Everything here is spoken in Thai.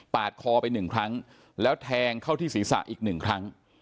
คอไปหนึ่งครั้งแล้วแทงเข้าที่ศีรษะอีกหนึ่งครั้ง